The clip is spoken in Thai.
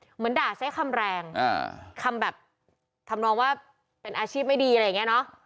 เหมือนด่าใช้คำแรงคำแบบทำนองว่าเป็นอาชีพไม่ดีอะไรอย่างเงี้เนอะ